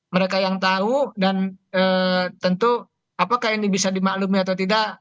mereka yang tahu dan tentu apakah ini bisa dimaklumi atau tidak